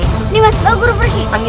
ini mas aku mau pergi